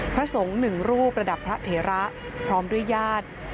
พระสงค์๑รูประดับพระเทราพร้อมด้วยญาติ